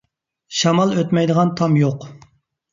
شامال ئۆتمەيدىغان تام يوق.